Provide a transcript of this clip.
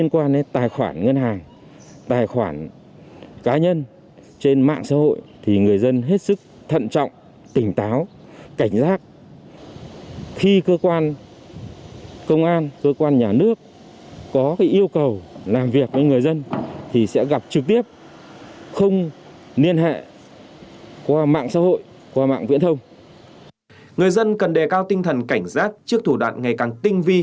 qua mạng viễn thông người dân cần đề cao tinh thần cảnh giác trước thủ đoạn ngày càng tinh vi